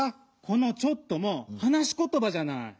この「ちょっと」もはなしことばじゃない！